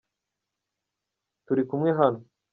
turikumwe hano.